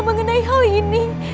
mengenai hal ini